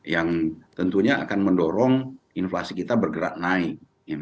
yang tentunya akan mendorong inflasi kita bergerak naik